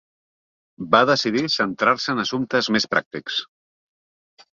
Va decidir centrar-se en assumptes més pràctics.